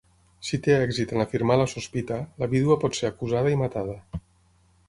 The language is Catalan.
Si té èxit en afirmar la sospita, la vídua pot ser acusada i matada.